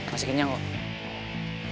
masih kenyang kok